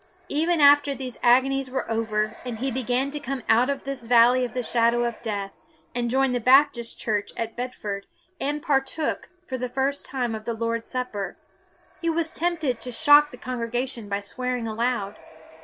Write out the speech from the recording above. Even after these agonies were over, and he began to come out of this valley of the shadow of death, and joined the Baptist church at Bedford, and partook, for the first time, of the Lord's Supper, he was tempted to shock the congregation by swearing aloud.